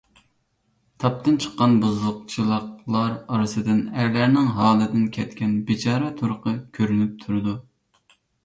تاپتىن چىققان بۇزۇقچىلىقلار ئارىسىدىن ئەرلەرنىڭ ھالىدىن كەتكەن بىچارە تۇرقى كۆرۈنۈپ تۇرىدۇ.